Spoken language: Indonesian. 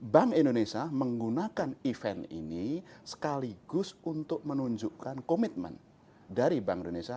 bank indonesia menggunakan event ini sekaligus untuk menunjukkan komitmen dari bank indonesia